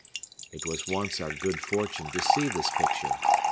It was once our good fortune to see this picture.